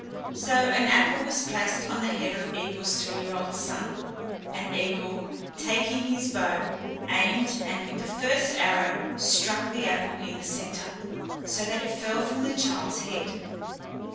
So an apple was placed on the head of Eigil's three year old son, and Eigil, taking his bow, aimed, and with the first arrow struck the apple in the center, so that it fell from the child's head.